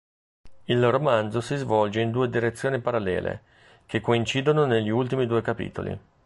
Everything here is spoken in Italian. Il romanzo si svolge in due direzioni parallele, che coincidono negli ultimi due capitoli.